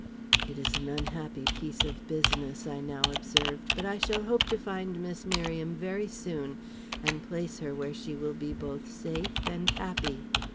"It is an unhappy piece of business," I now observed, "but I shall hope to find Miss Merriam very soon, and place her where she will be both safe and happy."